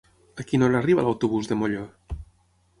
A quina hora arriba l'autobús de Molló?